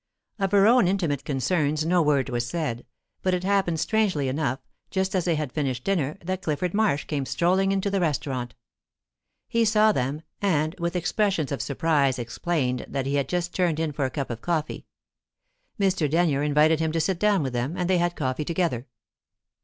Of her own intimate concerns no word was said, but it happened strangely enough, just as they had finished dinner, that Clifford Marsh came strolling into the restaurant. He saw them, and with expressions of surprise explained that he had just turned in for a cup of coffee. Mr. Denyer invited him to sit down with them, and they had coffee together.